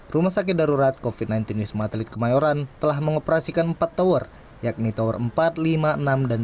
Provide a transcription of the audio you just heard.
rumah sakit darurat kofit sembilan belas wisma atlet kemayoran telah mengoperasikan empat tower yakni tower empat lima enam dan tiga